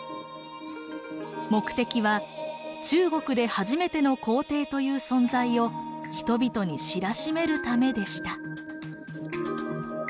目的は中国で初めての皇帝という存在を人々に知らしめるためでした。